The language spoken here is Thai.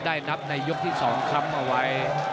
ได้นับในยกที่๒คล้ำเอาไว้